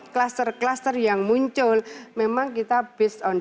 cluster cluster yang muncul memang kita based on data